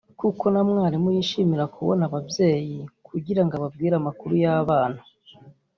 kuko na mwarimu yishimira kubona ababyeyi kugirango ababwire amakuru y’abana